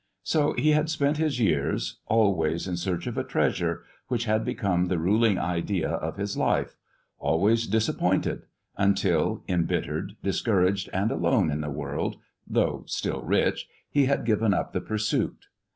So he had spent his years, always in search of a Treasure, which had become the ruling idea of his life; always disappointed; until, embittered, discouraged and alone in the world, though still rich, he had given up the pursuit.